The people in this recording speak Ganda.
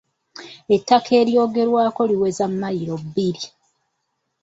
Ettaka eryogerwako liweza mayiro bbiri.